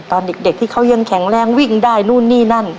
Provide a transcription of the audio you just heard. ตอนเด็กที่เขายังแข็งแรงวิ่งได้นู่นนี่นั่น